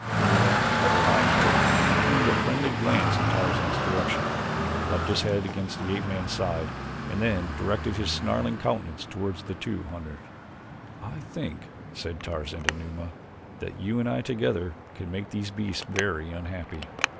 Numa of the lion pit turned a friendly glance in Tarzan's direction, rubbed his head against the ape man's side, and then directed his snarling countenance toward the two hunters. "I think," said Tarzan to Numa, "that you and I together can make these beasts very unhappy."